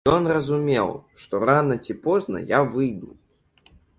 Ён разумеў, што рана ці позна я выйду.